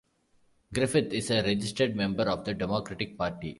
Griffith is a registered member of the Democratic Party.